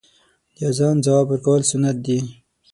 د اذان ځواب ورکول سنت دی .